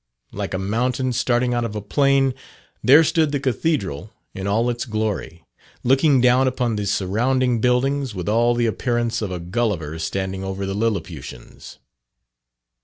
Like a mountain starting out of a plain, there stood the Cathedral in all its glory, looking down upon the surrounding buildings, with all the appearance of a Gulliver standing over the Lilliputians.